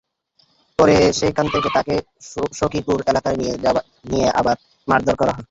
পরে সেখান থেকে তাঁকে সখীপুর এলাকায় নিয়ে আবার মারধর করা হয়।